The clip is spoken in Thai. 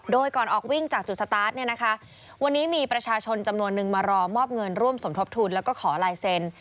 โดยก่อนออกวิ่งจากจุดสตาร์ทเนี่ยนะคะวันนี้มีประชาชนจำนวนนึงมารอมอบเงินร่วมสมทบทุนแล้วก็ขอลายเซ็น